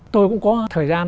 tôi cũng có thời gian